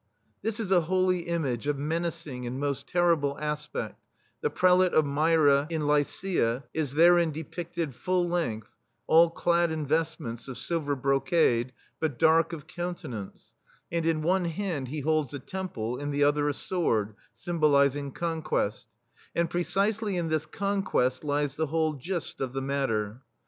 This is a holy image "of men acing and most terrible aspedt/* — the Prelate of Myra in Lycia is therein de pi6ted "full length," all clad in vest ments of silver brocade, but dark of countenance; and in one hand he holds a temple, in the other a sword — "sym bolizing conquest/* And precisely in this "conquest lies the whole gist of the matter.